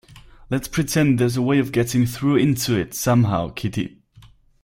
Let’s pretend there’s a way of getting through into it, somehow, Kitty.